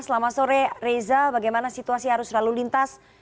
selamat sore reza bagaimana situasi arus lalu lintas